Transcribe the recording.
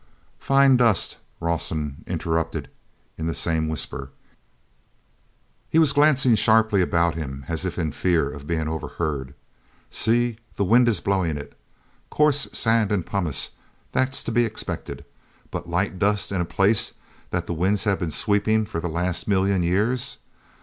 "Fine dust!" Rawson interrupted in the same whisper. He was glancing sharply about him as if in fear of being overheard. "See, the wind is blowing it. Coarse sand and pumice—that's to be expected; but light dust in a place that the winds have been sweeping for the last million years!